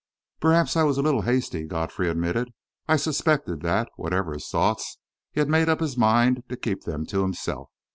"Perhaps I was a little hasty," Godfrey admitted, and I suspected that, whatever his thoughts, he had made up his mind to keep them to himself.